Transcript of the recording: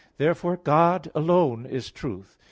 Therefore God alone is truth.